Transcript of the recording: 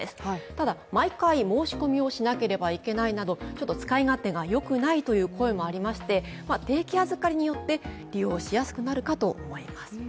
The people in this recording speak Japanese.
ただ、毎回申し込みをしなければいけないなど使い勝手が良くないという声もありまして定期預かりによって利用しやすくなるかと思います。